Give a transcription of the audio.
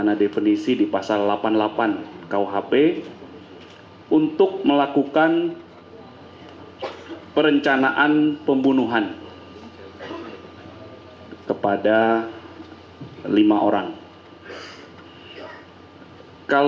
kemudian setelah melakukan pengembangan penyidikan